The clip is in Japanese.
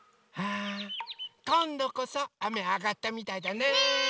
あこんどこそあめあがったみたいだね！ね！